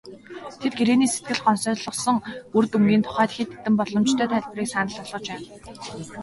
Тэд гэрээний сэтгэл гонсойлгосон үр дүнгийн тухайд хэд хэдэн боломжтой тайлбарыг санал болгож байна.